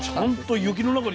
雪の中に。